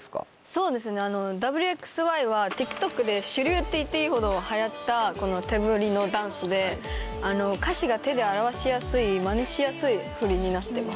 そうですね『Ｗ／Ｘ／Ｙ』はＴｉｋＴｏｋで主流って言っていいほど流行ったこの手振りのダンスで歌詞が手で表しやすいマネしやすい振りになってます。